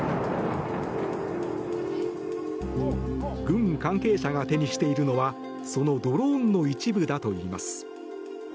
軍関係者が手にしているのはそのドローンの一部だといいます。